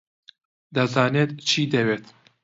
دەزانێت چی دەوێت.